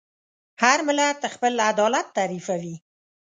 هر ملت خپل عدالت تعریفوي.